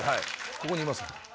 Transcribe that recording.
ここにいます。